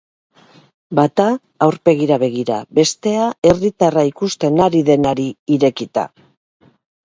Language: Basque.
Bata aurpegira begira, bestea herritarra ikusten ari denari irekita.